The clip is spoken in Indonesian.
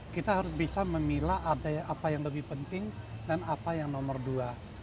kita harus bisa memilah ada apa yang lebih penting dan apa yang nomor dua